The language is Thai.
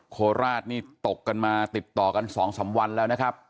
โคราชนี่ตกกันมาติดต่อกัน๒๓วันแล้วนะครับ